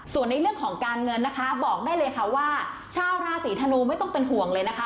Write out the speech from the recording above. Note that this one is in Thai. ส่วนในเรื่องของการเงินนะคะบอกได้เลยค่ะว่าชาวราศีธนูไม่ต้องเป็นห่วงเลยนะคะ